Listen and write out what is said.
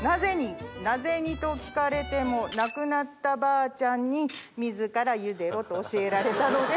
なぜにと聞かれても亡くなったばあちゃんに。と教えられたので。